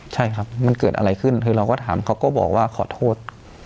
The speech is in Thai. ใช่ครับมันเกิดอะไรขึ้นคือเราก็ถามเขาก็บอกว่าขอโทษ